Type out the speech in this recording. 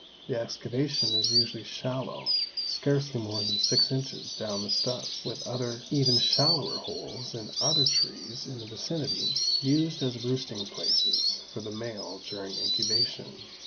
The excavation is usually shallow, scarcely more than six inches down the stub, with other even shallower holes in other trees in the vicinity used as roosting places for the male during incubation.